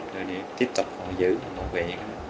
rồi để tiếp tục họ giữ bảo vệ